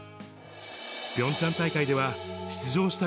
ピョンチャン大会では出場した